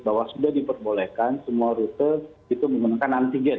bahwa sudah diperbolehkan semua rute itu menggunakan antigen